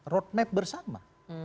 road map bersama